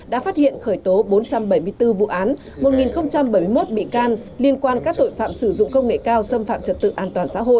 đã phát hiện khởi tố bốn trăm bảy mươi bốn vụ án một bảy mươi một bị can liên quan các tội phạm sử dụng công nghệ cao xâm phạm trật tự an toàn xã hội